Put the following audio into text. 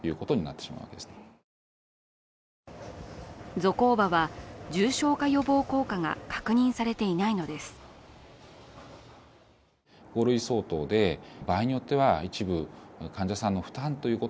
ゾコーバは重症化予防効果が確認されていないのです。